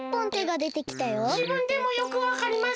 じぶんでもよくわかりません。